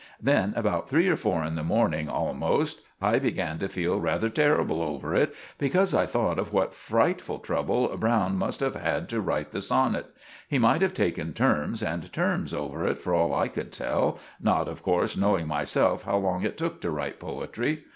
Then, about three or four in the morning almost, I began to feel rather terrible over it, because I thought of what frightful trouble Browne must have had to write the sonnit. He might have taken terms and terms over it for all I could tell, not, of corse, knowing myself how long it took to write poetry.